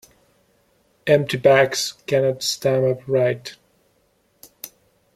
Empty bags cannot stand upright.